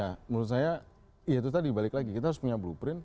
nah menurut saya ya itu tadi balik lagi kita harus punya blueprint